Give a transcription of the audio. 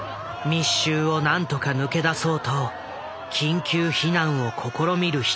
密集を何とか抜け出そうと緊急避難を試みる人も。